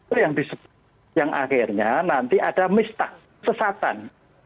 itu yang disebut yang akhirnya nanti ada mistah sesatan